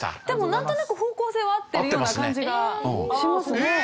でもなんとなく方向性は合っているような感じがしますね。